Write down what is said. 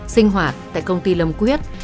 sinh hoạt tại công ty lâm quyết